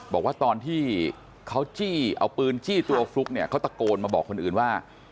บอกว่าตอนที่เขาจี้เอาปืนจี้ตัวฟลุ๊กเนี่ยเขาตะโกนมาบอกคนอื่นว่า